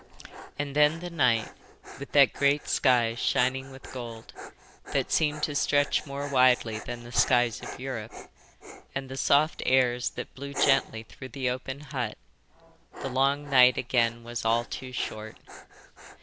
And then the night, with that great, sky shining with gold, that seemed to stretch more widely than the skies of Europe, and the soft airs that blew gently through the open hut, the long night again was all too short.